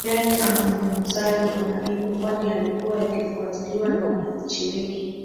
Yale azumngumzayo bwana Biko kwani yalikuwa yakifuatiliwa na wananchi wengi